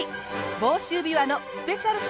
房州びわのスペシャルサンデー